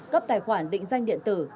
cấp tài khoản định danh điện tử